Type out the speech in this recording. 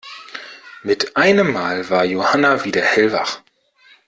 Mit einem Mal war Johanna wieder hellwach.